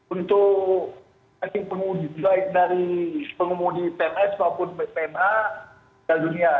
untuk pengumudi dari pengumudi pms maupun pma terdunia